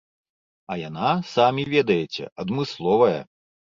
А яна, самі ведаеце, адмысловая.